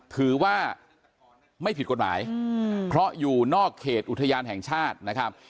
ถือว่าไม่ผิดกฎหมายเพราะอยู่นอกเขตอุทยานแห่งชาตินะครับ